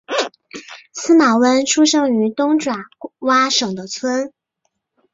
司马温出生于东爪哇省的村。